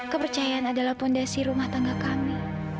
kepercayaan adalah fondasi rumah tangga kami